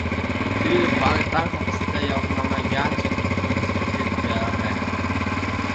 Тэрээр бараг дан хувцастай явах намайг яаж энэ хүйтнийг тэсвэрлээд байгааг гайхна.